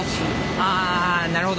あなるほど。